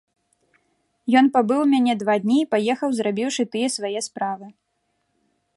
Ён пабыў у мяне два дні і паехаў, зрабіўшы тыя свае справы.